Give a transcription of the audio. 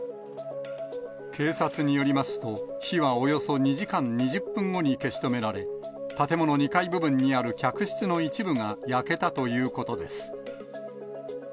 警察によりますと、火はおよそ２時間２０分後に消し止められ、建物２階部分にある客室の一部が焼けたということです。